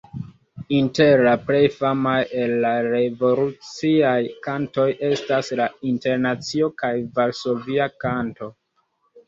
Inter la plej famaj el la revoluciaj kantoj estas La Internacio kaj Varsovia Kanto.